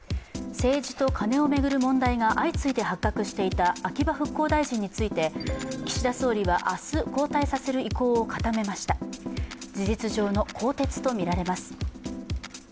政治とカネを巡る問題が相次いで発覚したいた秋葉復興大臣について、岸田総理は明日、交代させる意向を固めました事実上の更迭とみられます。